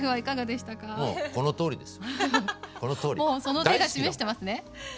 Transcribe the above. その手が示してますね。